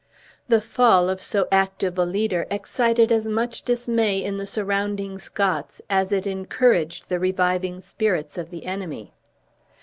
The fall of so active a leader excited as much dismay in the surrounding Scots as it encouraged the reviving spirits of the enemy.